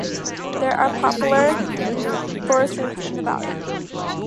There are poplar forests in the valleys.